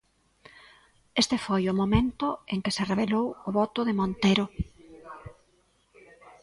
Este foi o momento en que se revelou o voto de Montero.